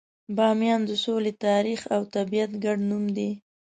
بامیان د سولې، تاریخ، او طبیعت ګډ نوم دی.